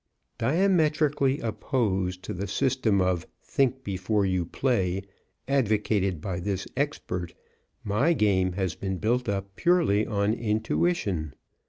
Diametrically opposed to the system of "think before you play," advocated by this expert, my game has been built up purely on intuition.